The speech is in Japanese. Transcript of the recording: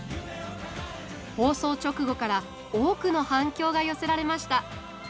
放送直後から多くの反響が寄せられました。